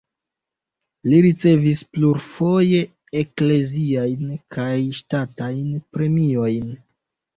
Li ricevis plurfoje ekleziajn kaj ŝtatajn premiojn.